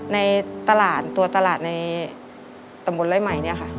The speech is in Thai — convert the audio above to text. ในตลาดตัวตลาดในตำบลไล่ใหม่เนี่ยค่ะ